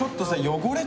汚れ